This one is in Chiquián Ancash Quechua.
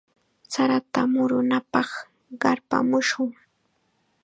Sarata murunapaq qarpamushun.